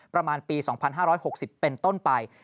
ประมาณปี๒๕๖๐เป็นต้นไป